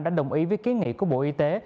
đã đồng ý với kiến nghị của bộ y tế